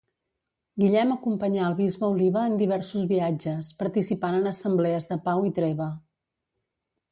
Guillem acompanyà al bisbe Oliba en diversos viatges, participant en assemblees de pau i treva.